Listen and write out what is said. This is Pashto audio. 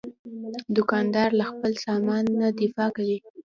دوکاندار له خپل سامان نه دفاع کوي.